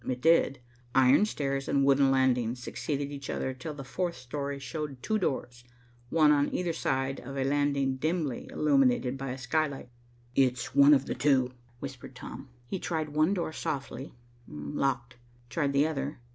It did; iron stairs and wooden landings succeeded each other, till the fourth story showed two doors, one on either side of a landing dimly illuminated by a skylight. "It's one of the two," whispered Tom. He tried one door softly, locked. Tried the other.